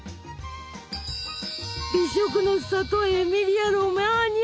美食のさとエミリア・ロマーニャ。